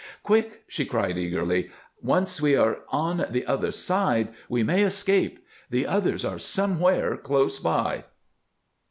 "Quick!" she cried, eagerly. "Once we are on the other side we may escape. The others are somewhere close by."